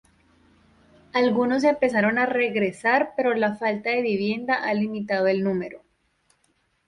Algunos empezaron a regresar pero la falta de vivienda ha limitado el número.